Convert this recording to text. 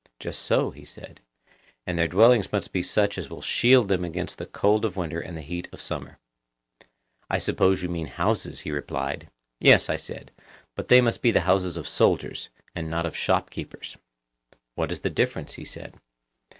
Just so, he said. And their dwellings must be such as will shield them against the cold of winter and the heat of summer. I suppose that you mean houses, he replied. Yes, I said; but they must be the houses of soldiers, and not of shop keepers. What is the difference? he said.